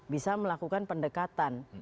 bisa melakukan pendekatan